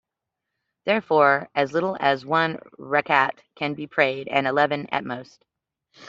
Therefore, as little as one rakat can be prayed, and eleven at most.